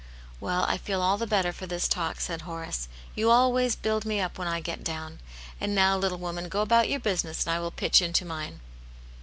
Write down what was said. "Well, I feel all the better for this talk," said Horace. "You always build me up when I get down. And now, little woman, go about your business, and I will pitch into mine."